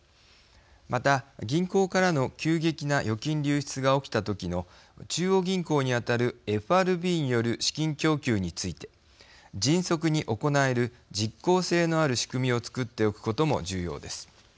また、銀行からの急激な預金流出が起きた時の中央銀行に当たるＦＲＢによる資金供給について迅速に行える実効性のある仕組みを作っておくことも重要です。